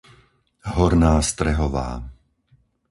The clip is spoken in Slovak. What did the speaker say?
Horná Strehová